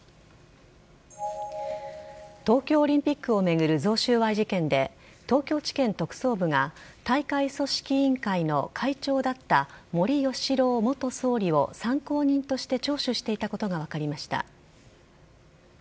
東京オリンピックを巡る贈収賄事件で東京地検特捜部が大会組織委員会の会長だった森喜朗元総理を参考人として聴取していたことが分かりました。